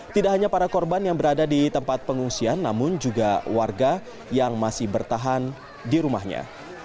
tidak hanya para korban yang berada di tempat pengungsian namun juga warga yang masih bertahan di rumahnya